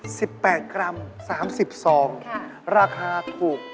สิบแปดกรัมสามสิบซองค่ะราคาถูก